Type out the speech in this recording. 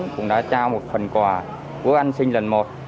cũng đã trao một phần quà của anh sinh lần một